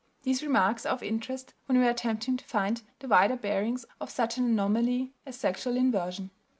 These remarks are of interest when we are attempting to find the wider bearings of such an anomaly as sexual inversion.